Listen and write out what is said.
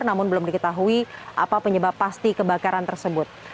namun belum diketahui apa penyebab pasti kebakaran tersebut